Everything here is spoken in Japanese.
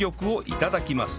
いただきます！